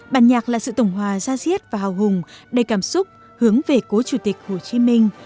bản nhạc là sự tổng hòa gia diết và hào hùng đầy cảm xúc hướng về cố chủ tịch hồ chí minh